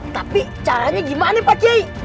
tapi caranya gimana pak kiai